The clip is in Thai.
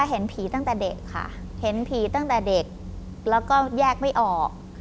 เห็นผีตั้งแต่เด็กค่ะเห็นผีตั้งแต่เด็กแล้วก็แยกไม่ออก